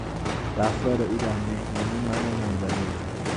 رفتار او در مهمانی مرا منزجر کرد.